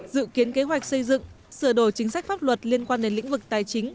dự kiến kế hoạch xây dựng sửa đổi chính sách pháp luật liên quan đến lĩnh vực tài chính